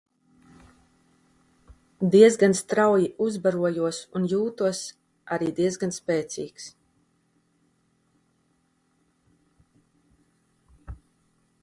Diezgan strauji uzbarojos un jutos arī diezgan spēcīgs.